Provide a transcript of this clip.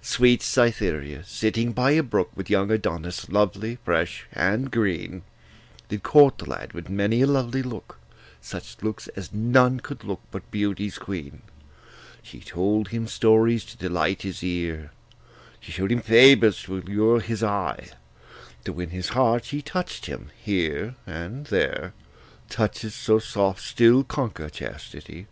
Sweet Cytherea, sitting by a brook With young Adonis, lovely, fresh, and green, Did court the lad with many a lovely look, Such looks as none could look but beauty's queen, She told him stories to delight his ear; She show'd him favours to allure his eye; To win his heart, she touch'd him here and there, Touches so soft still conquer chastity.